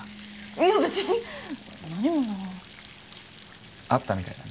いや別に何も何もあったみたいだね